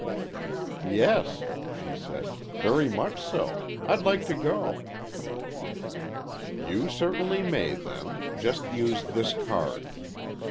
"Yes," she said, "very much so. I'd like to go." "You certainly may, then. Just use this card."